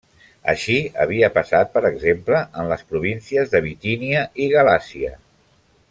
Així havia passat per exemple en les províncies de Bitínia i Galàcia.